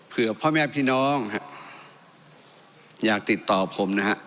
พ่อแม่พี่น้องอยากติดต่อผมนะฮะ